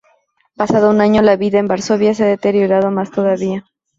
Pasado un año, la vida en Varsovia se ha deteriorado más todavía.